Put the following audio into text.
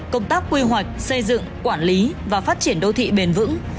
công tác quy hoạch xây dựng quản lý và phát triển đô thị bền vững